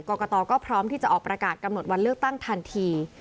กรกตก็พร้อมที่จะออกประกาศกำหนดวันเลือกตั้งทันที